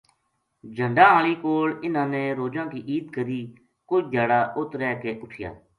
جھَنڈاں ہالی کول اِنھاں نے روجاں کی عید کری کُجھ دھیاڑا اُت رہ کے اُٹھیا